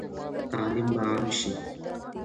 تعلیم به عام شي؟